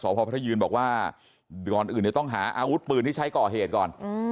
พอพัทยืนบอกว่าก่อนอื่นต้องหาอาวุธปืนที่ใช้ก่อเหตุก่อน